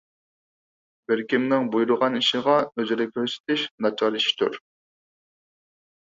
بىر كىمنىڭ بۇيرۇغان ئىشىغا ئۆزرە كۆرسىتىش ناچار ئىشتۇر